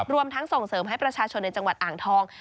รวมทั้งส่งเสริมให้ประชาชนในจังหวัดอ่างทอง